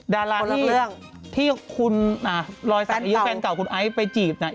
ดาราที่ที่คุณอ่าอยุ่ครับนะคุณไอม์ผู้หลายสาวกับครูไคล์